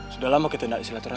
sudahlah mau kita nanti isi latar